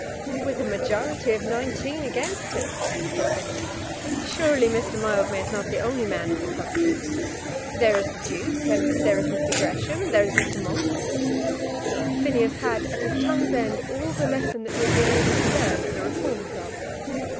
"With a majority of nineteen against him!" said Phineas. "Surely Mr. Mildmay is not the only man in the country. There is the Duke, and there is Mr. Gresham, and there is Mr. Monk." Phineas had at his tongue's end all the lesson that he had been able to learn at the Reform Club.